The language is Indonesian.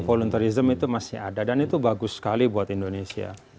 voluntarism itu masih ada dan itu bagus sekali buat indonesia